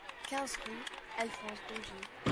quinze rue Alphonse Rougier